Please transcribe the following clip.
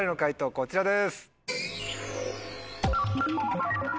こちらです。